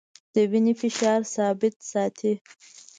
د وینې فشار ثابت ساتي.